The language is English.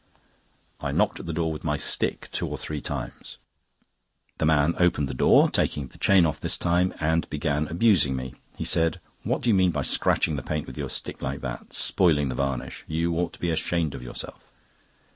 I knocked at the door with my stick two or three times. The man opened the door, taking the chain off this time, and began abusing me. He said: "What do you mean by scratching the paint with your stick like that, spoiling the varnish? You ought to be ashamed of yourself."